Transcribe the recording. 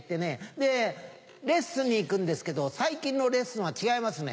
でレッスンに行くんですけど最近のレッスンは違いますね。